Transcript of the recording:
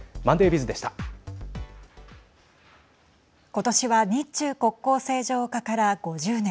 今年は日中国交正常化から５０年。